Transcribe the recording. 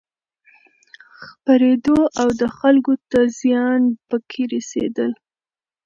خپرېدو او دخلکو ته زيان پکې رسېدل